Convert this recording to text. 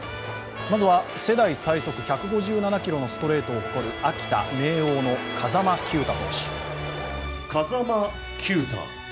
まずは世代最速１５７キロのストレートを誇る秋田・明桜の風間球打投手。